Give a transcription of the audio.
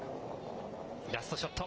ラストショット。